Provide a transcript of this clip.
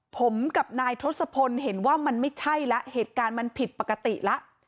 ผมกับนายทศพลเห็นว่ามันไม่ใช่แล้วเหตุการณ์มันผิดปกติแล้ว